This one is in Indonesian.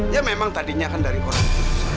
ya memang tadinya kan dari orang